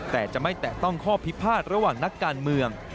แต่จะไม่แตะต้องข้อพิพาทระหว่างนักการเมือง